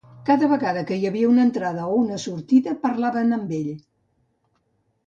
Cada vegada que hi havia una entrada o una sortida, parlaven amb ell.